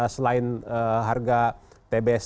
selain harga tbs